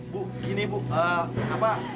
bu gini bu apa